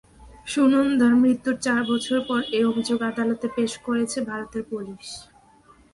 সুনন্দার মৃত্যুর চার বছর পর এ অভিযোগ আদালতে পেশ করেছে ভারতের পুলিশ।